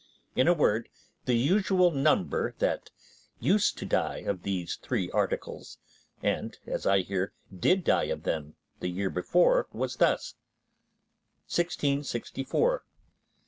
In a word, the usual number that used to die of these three articles, and, as I hear, did die of them the year before, was thus:— 1664. 1665.